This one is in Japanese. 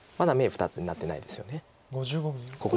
ここも眼なってないですよね。